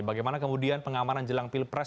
bagaimana kemudian pengamanan jelang pilpres